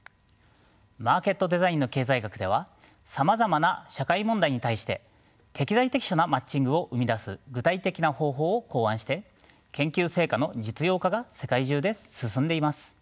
マーケットデザインの経済学ではさまざまな社会問題に対して適材適所なマッチングを生み出す具体的な方法を考案して研究成果の実用化が世界中で進んでいます。